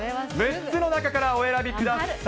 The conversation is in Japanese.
６つの中からお選びください。